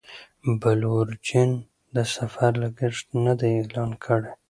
بلو اوریجن د سفر لګښت نه دی اعلان کړی.